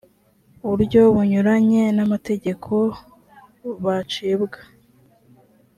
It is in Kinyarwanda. buryo bunyuranye n amategeko bacibwa